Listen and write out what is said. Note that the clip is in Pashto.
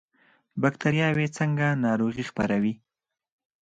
بکتریاوې څنګه ناروغي خپروي؟